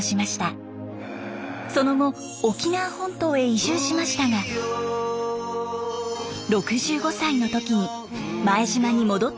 その後沖縄本島へ移住しましたが６５歳の時に前島に戻ってきました。